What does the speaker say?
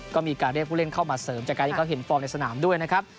ก็มีการเรียกผู้เล่นเข้ามาเสริมจากการที่เขาเห็นฟอร์มในสนามด้วยนะครับ